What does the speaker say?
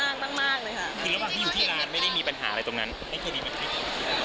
คือระหว่างที่อยู่ที่ร้านไม่ได้มีปัญหาอะไรตรงนั้นไม่เคยมีปัญหาอยู่ที่ร้าน